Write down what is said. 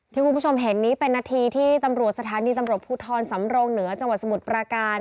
คุณผู้ชมเห็นนี้เป็นนาทีที่ตำรวจสถานีตำรวจภูทรสำรงเหนือจังหวัดสมุทรปราการ